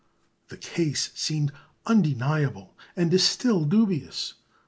The case seemed undeniable, and is still dubious.